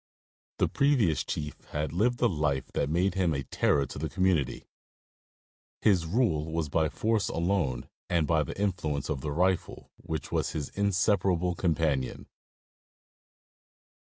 The previous chief had lived a life that made him a terror to the community. His rule was by force alone and by the influence of the rifle, which was his inseparable companion.